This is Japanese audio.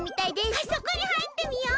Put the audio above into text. あそこにはいってみよう！